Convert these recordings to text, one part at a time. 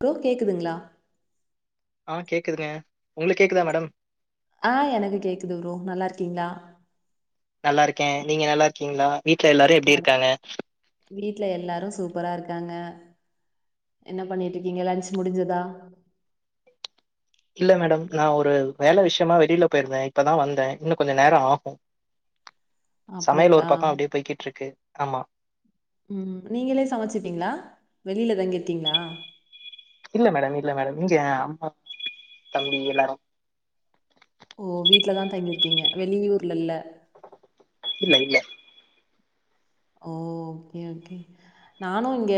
Bro கேக்குதுங்ளா ஆ கேக்குதுங்க உங்களுக்கு கேக்குதா மேடம் ஆ எனக்கு கேட்குது ப்ரோ நல்லாருக்கீங்ளா நல்லாருக்கேன் நீங்க நல்லா இருக்கீங்ளா வீட்ல எல்லாரு எப்டி நல் இருக்காங்க வீட்ல எல்லாரு சூப்பரா இருக்காங்க என்ன பண்ணிட்டு இருக்கீங்க லஞ்ச் முடிஞ்சுதா இல்ல மேடம் நா ஒரு வேல விஷ்யமா வெளில போயிருந்த இப்பதா வந்த இன்னு கொஞ்சோ நேரோ ஆகு சமையலு அப்டிங்களா? ஒரு பக்கோ அப்டியே போய்கிட்டு இருக்கு ஆமா ம் நீங்ளே சமைச்சுப்பீங்ளா வெளில தங்கிருக்கீங்ளா இல்ல மேடம் இல்ல மேடம் இங்க அம்மா தம்பி எல்லாரு ஓ வீட்டு்லதா தங்கிருக்கீங்க வெளியூர்ல இல்ல இல்ல இல்ல ஓ ஓகே ஓகே. நானு இங்க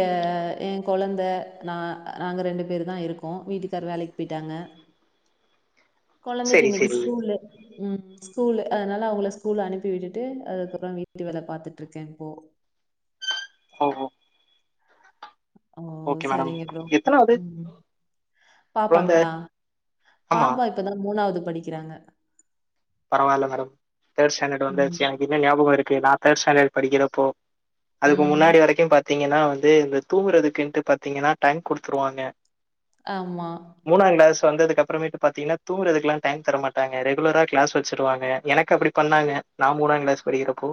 எ கொழந்த நா நாங்க ரெண்டு பேர்தா இருக்கோ வீட்டுக்கார் வேலைக் போய்டாங்க. கொழந்தைக்கு செரி இன்னிக்கு செரி ஸ்கூலு ம். ஸ்கூலு அதனால அவுங்கள ஸ்கூலு அனுப்பி விட்டுட்டு அதுக்கப்புறோ வீட்டு வேல பாத்துட்ருக்கே இப்போ. ஓஹோ. ஓ ஓகே மேடம் சரிங்க ப்ரோ எத்தனாவது ம். குழந்த பாப்பாங்ளா ஆமா பாப்பா இப்பதா மூணாவ்து படிக்கிறாங்க. பரவால்ல மேடம் தேட் ஸ்டேண்டடு ம். வந்தாச்சு எனக்கின்னு ஞாபகோ இருக்கு நா தேட் ஸ்டேண்டடு படிக்கிறப்போ அதுக்கு ம். முன்னாடி வரைக்கும் பாத்தீங்கன்னா வந்து இந்த தூங்கறதுக்குன்ட்டு பாத்தீங்கன்னா டைம் குடுத்துருவாங்க. ஆமா. மூணாங் கிளஸ் வந்ததுக்கப்புறமேட்டு பாத்தீங்ன்னா தூங்கறதுக்லா டைம் தர மாட்டாங்க ரெகுலராக் கிளாஸ் வெச்சிருவாங்க எனக்கு அப்பிடி பண்ணாங்க நா மூணாங் கிளாஸ் படிக்கிறப்போ.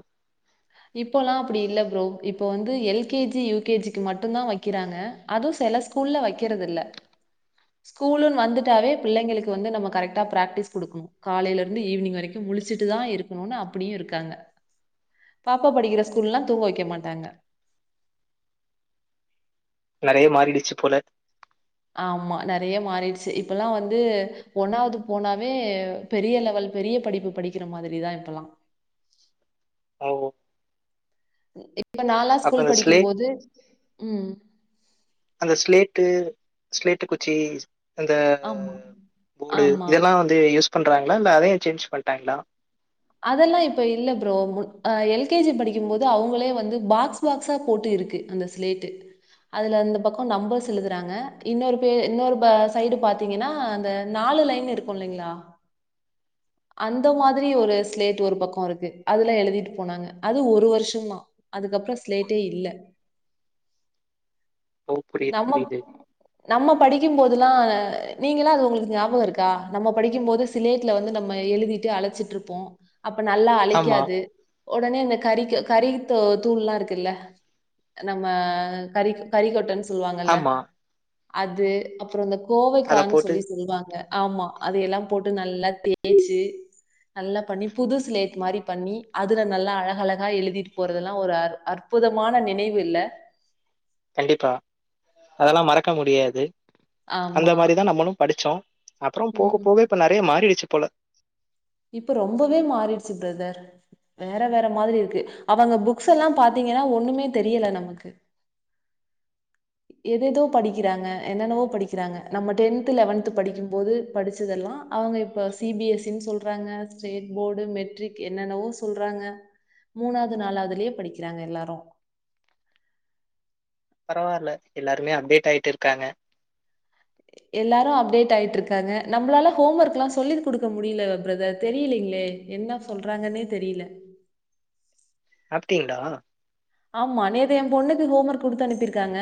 இப்போல்லா அப்பிடி இல்ல ப்ரோ இப்ப வந்து L K G U K G க்கு மட்டுந்தா வக்கிறாங்க. அது செல ஸ்கூல்ல வக்கிறதில்ல. [inaudible] ஸ்கூலுன் வந்துட்டாவே பிள்ளைங்ளுக்கு வந்து நம்ம கரெக்ட்டா பிராக்டீஸ் குடுக்ணு. காலைல இருந்து ஈவ்னிங் வரைக்கு முழிச்சிட்டு தா இருக்குணுன் அப்புடியு இருக்காங்க. பாப்பா படிக்கிற ஸ்கூல்லா தூங்க வெக்க மாட்டாங்க. நறைய மாறிடுச்சு போல. ஆமா நறைய மாறிடுச்சு இப்பெல்லா வந்து ஒன்னாவ்து போனாவே பெரிய லெவல் பெரிய படிப்பு படிக்கிற மாதிரி தா இப்பெல்லா. ஆ ஒ ம் இப்ப நாலா அப்ப ஸ்கூல் அந்த படிக்கிம் ஸ்லேட் போது ம் அந்த ஸ்லேட்டு ஸ்லேட்டு குச்சி ஸ் அந்த ஆமா, போடு ஆமா. இதெல்லா வந்து யூஸ் பண்றாங்ளா இல்ல அதையு சேஞ்ச் பண்ட்டாங்ளா? அதெல்லா இப்ப இல்ல ப்ரோ மு அ எல் கே ஜி படிக்கிம் போது அவுங்களே வந்து பாக்ஸ் பாக்ஸா போட்டு இருக்கு அந்த ஸ்லேட்டு. அதுல அந்த பக்கோ நம்பர்ஸ் எழுதுறாங்க இன்னொரு பே இன்னொரு ப சைடு பாத்தீங்கன்னா அந்த நாலு லைன் இருக்கு இல்லிங்ளா? [inaudible] அந்த மாதிரி ஒருஸ் ஸ்லேட்டு ஒரு பக்கோ இருக்கு அதுல்லா எழுதிட்டு போனாங்க அது ஒரு வருஷந்தா. அதுக்கப்றோ ஸ்லேட்டே இல்ல. [inaudible] புரியுது, நம்மப் புரியுது. நம்ம படிக்கிம் போதுல்லா நீங்கள்லா அது உங்குளுக்கு ஞாபகோ இருக்கா நம்ம படிக்கிம்போது ஸ் சிலேட்ல வந்து நம்ம எழுதிட்டு அழைச்சிட்ருப்போ அப்ப நல்லா ஆமா, அழைக்காது ஒடனே இந்த கரிக்கு கரி து தூள்ல்லா இருக்குல்ல நம்ம கரிக் கரிக்கொட்டன் சொல்வாங்கல்ல ஆமா. அது அப்புறோ இந்த அத கோவைக்கான் போட்டு சொல்லி சொல்வாங்க. ஆமா அத எல்லாம் போட்டு நல்லா தேய்ச்சு நல்லா பண்ணி புது சிலேட் மாரி பண்ணி அதுல நல்லா அழகழகா எழுதிட்டு போறதெல்லா ஒரு அற் அற்ப் புதமான நினைவு இல்ல. கண்டிப்பா அதல்லாம் மறக்க முடியாது அந்த ஆமா மாரிதா நம்மளும் படிச்சோ. அப்புறம் போக ம். போக இப்ப நெறைய மாறிடுச்சு போல. இப்ப ரொம்பவே மாறிடுச்சு பிரதர் வேற வேற மாதிரி இருக்கு அவுங்க புக்ஸ் எல்லாம் பாத்தீங்கன்னா ஒண்ணுமே தெரியல நமக்கு எதேதோ படிக்கிறாங்க என்னென்னவோ படிக்கிறாங்க நம்ம டென்த்து லெவன்த்து படிக்கும்போது படிச்சதெல்லா அவுங்க இப்ப சிபிஎஸ்சின்னு சொல்றாங்க ஸ்டேட் போர்டு மெட்ரிக் என்னென்னவோ சொல்றாங்க மூணாது நாலாவதுலயே படிக்கிறாங்க எல்லாரும் பரவாயில்ல எல்லாருமே அப்டேட் ஆயிட்டு இருக்காங்க எல்லாரும் அப்டேட் ஆயிட்டு இருக்காங்க நம்மளால ஹோம் ஒர்க்லா சொல்லி குடுக்க முடியல பிரதர் தெரியலைங்களே என்ன சொல்றாங்கன்னே தெரியல சாப்டீங்களா ஆமா நேத்து என் பொண்ணுக்கு ஹோம் ஒர்க் கொடுத்து அனுப்பியிருக்காங்க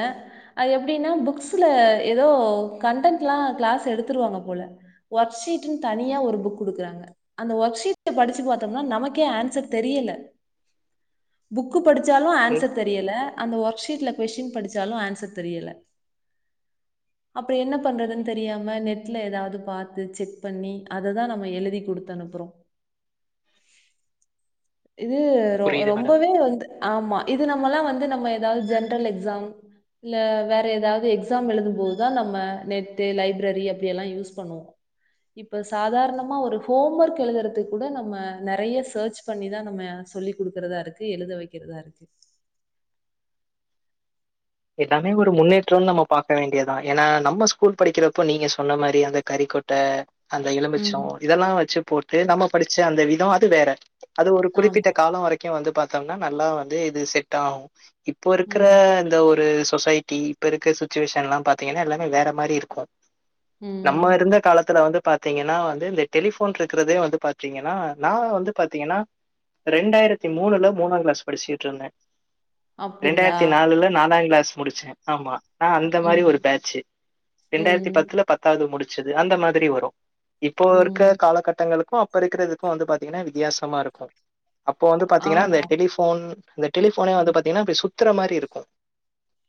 அது எப்படின்னா புக்ஸ்ல ஏதோ கன்டன்ட்லா கிளாஸ் எடுத்துருவாங்க போல ஒர்க் சீட்னு தனியா ஒரு புக் குடுக்குறாங்க அந்த ஒர்க்க்ஷீட் படிச்சு பாத்தோம்னா நமக்கே அன்சர் தெரியல புக்கு படி சாலும் ம். ஆன்சர் தெரியல அந்த ஒர்க்ஷீட்ல கொஸ்டின் படிச்சாலும் ஆன்சர் தெரியல [inaudible] அப்புறம் என்ன பண்றதுன்னு தெரியாம நெட்ல ஏதாவது பாத்து செக் பண்ணி அததா நம்ம எழுதி குடுத்து த்து அனுப்புறோம் [inaudible] இது ரொ புரியுது மேடம் ரொம்பவே வந்து ஆமா இது நம்மல்லா வந்து நம்ம ஏதாவது ஜென்ரல் எக்ஸாம் இல்ல வேற ஏதாவது எக்ஸாம் எழுதும் போதுதா நம்ம நெட்டு லைப்ரரி அப்படி எல்லாம் யூஸ் பண்ணுவோம் இப்போ சாதாரணமா ஒரு ஹோம் ஒர்க் எழுதுறது கூட நம்ம நிறைய சர்ச் பண்ணிதா நம்ம சொல்லி் குடுக்கறதா இருக்கு எழுத வைக்கிறதா இருக்கு எல்லாமே ஒரு முன்னேற்றம்னு நம்ம பார்க்க வேண்டியதா ஏன்னா நம்ம ஸ்கூல் படிக்கிறப்போ நீங்க சொன்ன மாரி அந்த கறிக்கோ ட்ட அந்த ம். எலுமிச்சம் இதெல்லா வச்சு போட்டு நம்ம படிச்ச அந்த விதம் அது வேற அது ஒரு குறிப்பிட்ட ஆமா. காலம் வரைக்கும் வந்து பாத்தோம்னா நல்லா வந்து இது செட் ஆகும் இப்போ இருக்கிற ம். இந்த ஒரு ஒரு சொசைட்டி இப்ப இருக்க சுச்சுவேஷன் எல்லாம் பாத்தீங்கன்னா எல்லாமே வேற மாதிரி இருக்கும் நம்ம இருந்த ம். காலத்துல வந்து பாத்தீங்கன்னா வந்து இந்த டெலிஃபோன் இருக்கிறதே வந்து பாத்தீங்கன்னா நா வந்து பாத்தீங்கன்னா ரெண்டாயிரத்தி மூணுல மூணாம் கிளாஸ் படிச்சிட்டு இருந்தேன் அப்டிங்களா? ரெண்டாயிரத்தி நாலுல நாலாம் கிளாஸ் முடிச்சேன் ஆமா ஆஹ அந்த மாதிரி ம். ஒரு பேட்சு ரெண்டாயிரத்தி ம். பத்துல பத்தாவது முடிச்சது அந்த மாதிரி வரும் இப்போ இருக்க ம். காலகட்டங்களுக்கும் அப்ப இருக்கறதுக்கும் வந்து பாத்தீங்கன்னா வித்தியாசமா இருக்கும் அப்போ வந்து பாத்தீங்கன்னா இந்த ஆமா. டெலிஃபோன் இந்த டெலிஃபோனே வந்து ம். பாத்தீங்கன்னா அப்படி சுத்தற மாதிரி இருக்கும்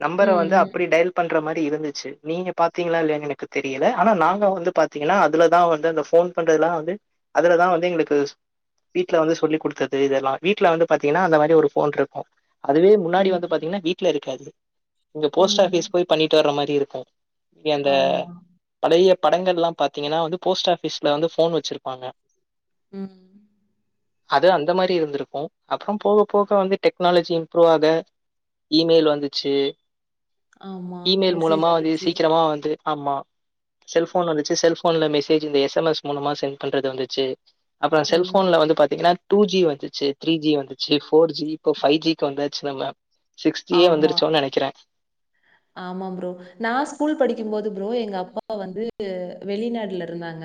நம்பர வந்து ம், அப்படி ம். டையல் பண்ற மாதிரி இருந்துச்சு நீங்க பாத்தீங்களா இல்லையா எனக்கு தெரியல ஆனா நாங்க வந்து பாத்தீங்கன்னா அதுல தா வந்து அந்த ஃபோன் பண்றதுல்லா வந்து அதுலதா வந்து எங்களுக்கு வீட்ல வந்து சொல்லி குடுத்தது இதெல்லா வீட்டுல வந்து பாத்தீங்கன்னா அந்த மாரி ஒரு ஃபோன் இருக்கும் அதுவே முன்னாடி ம். வந்து பாத்தீங்கன்னா வீட்டுல இருக்காது இங்க போஸ்ட் ம். ஆபிஸ் போய் பண்ணிட்டு வர்ற மாதிரி இருக்கும் அந்த ஆமா. பழைய படங்கள் எல்லா பார்த்தீங்கன்னா வந்து போஸ்ட் ஆபீஸ்ல வந்து ஃபோன் வச்சிருப்பாங்க உம் [inaudible] அது அந்த மாரி இருந்திருக்கும் அப்பறோ போக போக வந்து டெக்னாலஜி இம்ப்ரூவ் ஆக இமெயில் வந்துச்சு ஆமா. இமெயில் மெசேஜ் மூலமா வந்து வந்துச்சு. சீக்கிரமா வந்து ஆமா செல்போன் வந்துச்சு செல்போன்ல மெசேஜ் இந்த எஸ்எம்எஸ் மூலமா சென்ட் பண்றது வந்துச்சு அதா ம். செல்போன்ல வந்து பாத்தீங்ன்னா டூ ஜி வந்துச்சு த்ரீ ஜி வந்துச்சு ஃபோர் ஜி இப்போ ஃபைவ் ஜிக்கு வந்தாச்சு நம்ம சிக்ஸ் ஜியே வந்துரி ஆமா. நெனக்கிற ஆமா ப்ரோ நா ஸ்கூல் படிக்கு போது ப்ரோ எங்க அப்பா வந்து வெளிநாடுல இருந்தாங்க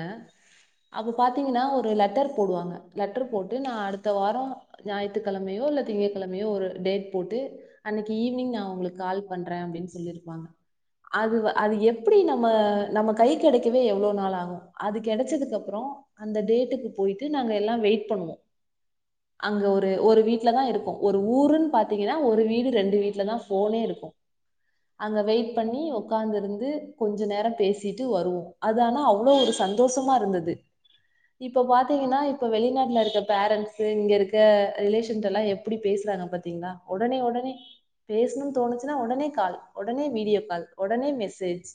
அப்போ பாத்தீங்ன்னா ஒரு லெட்டர் போடுவாங்க லெட்டர் போட்டு நான் அடுத்த வார ஞாயித்துக்கெழமையோ இல்ல திங்க கெழமையோ ஒரு டேட் போட்டு அன்னைக்கு ஈவினிங் நா உங்களுக்கு கால் பண்றே அப்டின் சொல்லிருப்பாங்க அது அது எப்புடி நம்ம நம்ம கை கெடைக்கவே எவ்ளோ நாள் ஆகு அது கெடச்சதுக்கு அப்ற அந்த டேட்டுக்கு போயிட்டு நாங்க எல்லா வெயிட் பண்ணுவோ [inaudible] அங்க ஒரு ஒரு வீட்லதா இருக்கு ஒரு ஊருன் பாத்தீங்கனா ஒரு வீடு ரெண்டு வீட்லதா ஃபோனே இருக்கு அங்க வெயிட் பண்ணி உக்காந்து இருந்து கொஞ்சோ நேர பேசிட்டு வருவோ அது ஆனா அவ்ளோ ஒரு சந்தோஷமா இருந்தது இப்ப பாத்தீங்கன்னா இப்ப வெளிநாட்டுல இருக்க பேரண்ட்ஸ்ஸு இங்க இருக்க ரிலேஷன் எல்லா எப்படி பேசுறாங்க பாத்தி ங்ளா ஒடனே ஒடனே பேசணுன் தோணுச்சுன்னா ஒடனே கால் ஒடனே வீடியோ கால் ஒடனே மெசேஜ்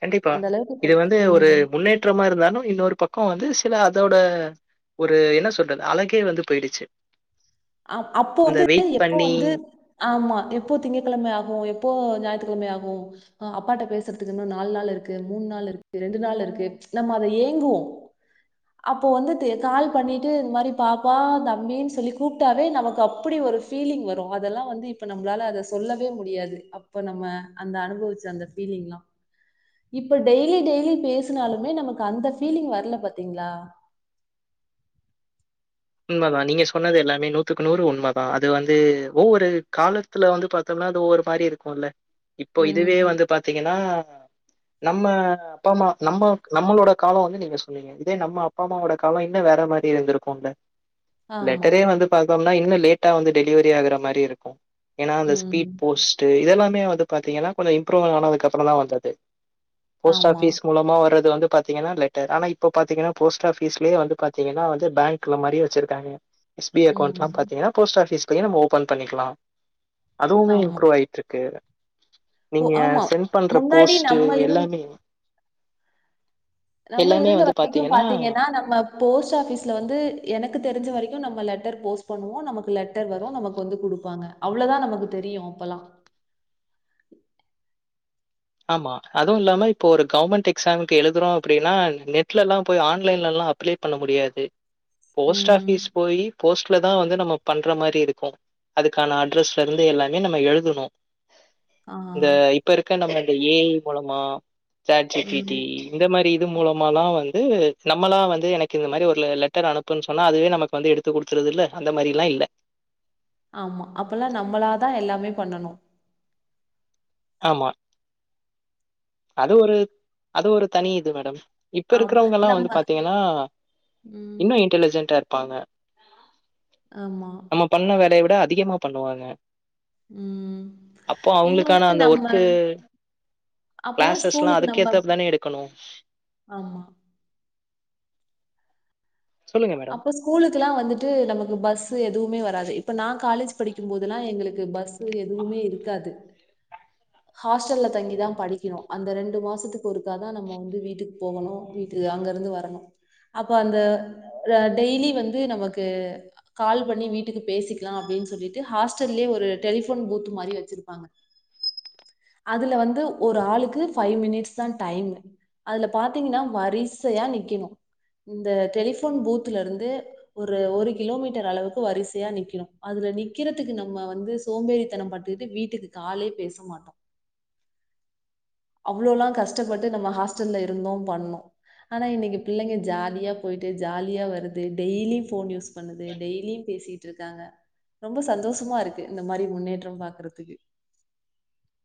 கண்டிப்பா அந்த அளவுக்கு இது போட்டு வந்து ஒரு ம் முன்னேற்றமா இருந்தாலு இன்னொரு பக்க வந்து சில அதோட ஒரு என்ன சொல்றது அழகே வந்து போய்டுச்சு அ அப்போ வந்து எப்போ பண்ணி வந்து ஆமா எப்போ திங்ககிழமை ஆகு எப்போ ஞாயித்துக்கிழமை ஆகு அ அப்பாட்ட பேசுறதுக்கு இன்னு நாலு நாள் இருக்கு மூண் நாள் இருக்கு ரெண்டு நாள் இருக்கு நம்ம அத ஏங்குவோ அப்போ வந்துட்டு கால் பண்ணிட்டு இந்த மாரி பாப்பா தம்பின்னு சொல்லி கூப்ட்டாவே நமக்கு அப்டி ஒரு ஃபீலிங் வரு அதெல்லா வந்து இப்ப நம்மளால அத சொல்லவே முடியாது இப்ப நம்ம அந்த அனுபவிச்ச அந்த ஃபீலிங்லா இப்ப டெய்லி டெய்லி பேசுனாலுமே நமக்கு அந்த ஃபீலிங் வரல பாத்தீங்ளா உண்மதா நீங்க சொன்னது எல்லாமே நூத்துக்கு நூறு உண்ம தா அது வந்து ஒவ்வொரு கால கட்டத்துல வந்து பாத்தோனா அது ஒவ்வொரு மாரி இருக்குல்ல இப்போ இதுவே ம். வந்து பாத்தீங்கனா நம்ம அப்பா அம்மா நம்ம நம்மளோட கால வந்து நீங்க சொன்னீங்க இதே நம்ம அப்பா அம்மாவோட கால இன்னு வேற மாரி இருந்துருக்குல ஆமா. லெட்டரே வந்து பாத்தோனா இன்னு லேட்டா வந்து டெலிவரி ஆகுற மாரி இருக்கு ஏனா அந்த ம். ஸ்பீட் போஸ்ட் டு இதெல்லாமே வந்து பாத்தீங்கனா கொஞ்சோ இம்ப்ரூவா ஆனதுக்கு அப்றதா வந்தது போஸ்ட் ஆமா. ஆபீஸ் மூல மா வரது வந்து பாத்தீங்கனா லெட்டர் ஆனா இப்ப பாத்தீங்கனா போஸ்ட் ஆபீஸ்லயே வந்து பாத்தீங்கனா வந்து பேங்க்ல மாரி இருக்காங்க எஸ் பி ஐ அக்கவுண்ட்லா ம். பாத்தீங்கனா போஸ்ட் ஆபிஸ்லயே நம்ம ஓபன் பண்ணிக்கலா அதுவுமே ஆமா. இம்ப்ரூவ் ஆயிட்ருக்கு இப்போ நீங்க ஆமா. செண்ட் பண்ற முன்னாடி போஸ்ட்டு நம்ம இருந்த எல்லாமே நம்ம எல்லாமே இருந்த வந்து வரைக்கு பாத்தீங்கன்னா பாத்தீங்கனா நம்ம போஸ்ட் ஆஃபீஸ்ல வந்து எனக்கு தெரிஞ்ச வரைக்கு நம்ம லெட்டர் போஸ்ட் பண்ணுவோ நமக்கு லெட்டர் வரு நமக்கு வந்து குடுப்பாங்க அவ்ளதா நமக்கு தெரியு அப்பலா ஆமா அதுவு இல்லாம இப்போ ஒரு கவர்மெண்ட் எக்ஸாம்க்கு எழுதுறோ அப்டின்னா நெட்லலா போய் ஆன்லைன்லலா அப்ளே பண்ண முடியாது போஸ்ட் ம். ஆபிஸ் போயி போஸ்ட்லதா வந்து நம்ம பண்ற மாரி இருக்கு அதுக்கான அட்ரஸ்லருந்து எல்லாமே நம்ம எழுதணு ஆ. இந்த இப்ப இருக்க நம்ம இந்த ஏ ஐ மூலமா சாட் ஜி ம். பீட்டி இந்த மாரி இது மூலமால்லா வந்து நம்மளா வந்து எனக்கு இந்த மாரி ஒரு லெட்டர் அனுப்புன் சொன்னா அதுவே நமக்கு வந்து எடுத் து குடுத்துருதுல்ல அந்த மாரில்லா இல்ல ஆமா அப்பல்லா நம்மளா தா எல்லாமே பண்ணணு ஆமா அது ஒரு அது ஒரு தனி இது மேடம் இப்ப ஆமா. இருக்கறவங்கல்லா நம்ம வந்து பாத்தீங்கனா ம். இன்னு இன்டெலிஜென்டா இரு ப்பாங்க ஆமா நம்ம பண்ண வேலைய விட அதிகமா பண்ணுவாங்க ம் அப்போ அவங்களுக்கான இன்னொன்னு அந்த நம்ம ஒர்க்கு அப்பல்லா கிளாஸஸ்லா ஸ்கூலுக்கு நம்ப அதுக்கேத்தாப் தானே எடுக்கணு ஆமா சொல்லுங்க மேடம் அப்போ ஸ் ஸ்கூலுக்குலா வந்துட்டு நமக்கு பஸ்சு எதுவுமே வராது இப்ப நா காலேஜ் படிக்கும் போதுலா எங்களுக்கு பஸ் ச எதுவுமே இருக்காது ஹாஸ்டல்ல தங்கி தா படிக்கணு அந்த ரெண்டு மாசத்துக்கு ஒருக்கா தா நம்ம வந்து வீட்டுக்கு போகணு வீட் கு அங்க இருந்து வரணு அப்ப அந்த ர டெய்லி வந்து நமக்கு கால் பண்ணி வீட்டுக்கு பேசிக்கலா அப்டின்னு சொல்லிட்டு ஹாஸ்டல்லேயே ஒரு டெலிஃபோன் பூத்து மாரி வச்சிருப்பாங்க அதுல வந்து ஒரு ஆளுக்கு ஃபைவ் மினிட்ஸ் தா டைம் அதுல பாத்தீங்ன்னா வரிசையா நிக்கிணு இந்த டெலிஃபோன் பூத்துலருந்து ஒரு ஒரு கிலோமீட்டர் அளவுக்கு வரிசையா நிக்கணு அதுல நிக்கிறதுக்கு நம்ம வந்து சோம்பேறித்தனோ பட் டுட்டு வீட்டுக்கு காலே பேச மாட்டோ அவ்ளோலா கஷ்ட்டப்பட்டு நம்ம ஹாஸ்டல்ல இருந்தோம் பண்ணோ ஆனா இன்னைக்கு பிள்ளைங்க ஜாலியா போயிட்டு ஜாலியா வருது டெய்லி ஃபோன் யூஸ் பண்ணுது டெய்லியும் பேசிட்டு இருக்காங்க ரொம்ப சந்தோஷமா இருக்கு இந்த மாரி முன்னேற்றம் பாக்குறதுக்கு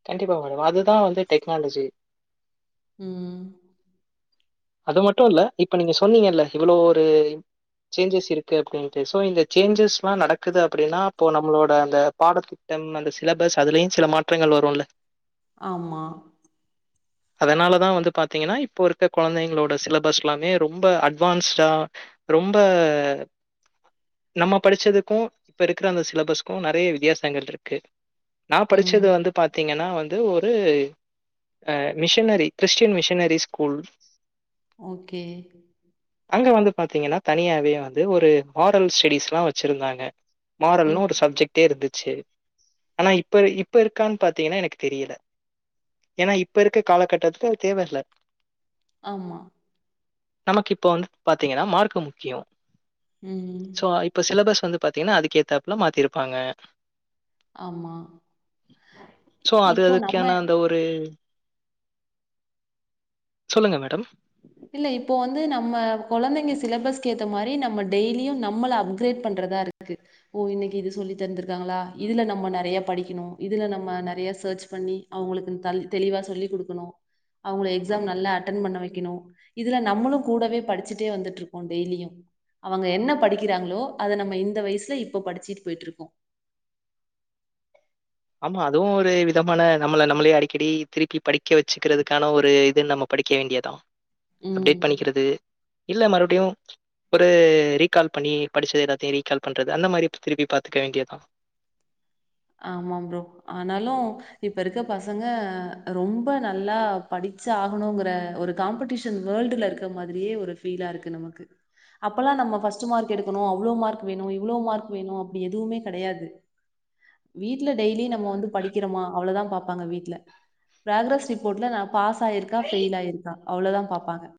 கண்டிப்பா மேடம் அதுதா வந்து டெக்னாலஜி ம் அது மட்டு இல்ல இப்ப நீங்க சொன்னீங்கல்ல இவ்ளோ ஒரு சேஞ்சஸ் இருக்கு அப்டின்ட்டு சோ இந்த சேஞ்சஸ்ல்லா நடக்குது அப்டின்னா அப்போ நம்பளோட அந்த பாடத் திட்டம் அந்த சிலபஸ் அதுலயு சில மாற்றங்கள் வருல்ல ஆமா அதனால தா வந்து பாத்தீங்கன்னா இப்போ இருக்க குழந்தைங்களோட சிலபஸ்ல்லாமே ரொம்ப அட்வான்ஸ்டா ரொம்ப நம்ம படிச்சதுக்கு இப்போ இருக்கற அந்த சிலபஸ்க்கு நறைய வித்தியாசங்கள் இருக்கு நா ம் படிச்சது வந்து பாத்தீங்கன்னா வந் து ஒரு அ missionary Christian missionary school okay அங்க வந்து பாத்தீங்கன்னா தனியாவே வந்து ஒரு மாரல் ஸ்டடிஸ்ல்லா வச்சிருந்தாங்க மாறல்ன்னு ம் ஒரு சப்ஜெக்ட்டே இருந்துச்சு ஆனா இப்ப இப்ப இருக்கான்னு பாத்தீங்கன்னா எனக்கு தெரியல ஏன்னா இப்ப இருக்க காலகட்டத்துக்கு அது தேவ இல்ல ஆமா நமக்கு இப்போ வந்து பாத்தீங்கன்னா மார்க்கு முக்கியோ ம் போ இப்ப சிலபஸ் வந்து பாத்தீங்கன்னா அதுக் ஏத்தாப்புல மாத்திருப்பாங்க ஆமா சோ அது இப்போ நம்ம அதுக்கான அந்த ஒரு சொல்லுங்க மேடம் இல்ல இப்போ வந்து நம்ம குழந்தைங்க சிலபஸ்க்கு ஏத்த மாரி நம்ம டெய்லியு நம்மல அவுங் அப்கிரேட் பண்றதா இருக்கு ஓ இன்னைக்கு இது சொல்லி தந்திருக்காங்களா இதுல நம்ம நறைய படிக்கணு இதுல நம்ம நறைய சர்ச் பண்ணி அவங்களுக்கு தல் தெளிவாக சொல்லி் குடுக்கணு அவங்கள எக்ஸாம் நல்லா அட்டென் பண்ண வைக்கணு இதுல நம்மளு கூடவே படிச்சிட்டே வந்துட்டு இருப்போ டெய்லியு அவங்க என்ன படிக்கிறாங்களோ அத நம்ம இந்த வயசில இப்ப படிச்சிட்டு போய்ட்டு இருக்கோ ஆமா அதுவு ஒரு விதமான நம்மள நம்மளே அடிக்கடி திருப்பி படிக்க வச்சுக்கிறதுக்கான ஒரு இது நம்ம படிக்க வேண்டிய தா ம் அப்டேட் பண்ணிக்கிறது இல்ல மறுபடியு ஒரு ரீகால் பண்ணி படிச்சது எல்லாத்தையு ரீகால் பண்றது அந்த மாதிரி திருப்பி பாத்துக்க வேண்டியதா ஆமாம் ப்ரோ ஆனாலு இப்ப இருக்க பசங்க ரொம்ப நல்லா படிச்சு ஆகணுங்கிற ஒரு காம்படிஷன் வேல்ட்ல இருக்க மாதிரியே ஒரு பீலா இருக்கு நமக்கு அப்பெல்லா நம்ம ஃபஸ்ட்டு மார்க் எடுக்கனு அவ்ளோ மார்க் வேணு இவ்ளோ மார்க் வேணு அப்டி எதுவுமே கெடையாது வீட்ல டெய்லி நம்ம வந்து படி க்கிறமா அவளதா பாப்பாங்க வீட்ல ப்ராகீரஸ் ரிப்போட்ல நா பாஸ் ஆயிருக்கா ஃபெய்ல் ஆயிருக்கா அவ்ளோதா பாப்பாங்க